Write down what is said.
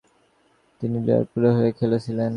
তিনি লিভারপুলের হয়ে খেলেছিলেন।